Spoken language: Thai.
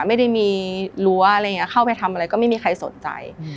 ไม่ได้มีรั้วอะไรอย่างนี้เข้าไปทำอะไรก็ไม่มีใครสนใจ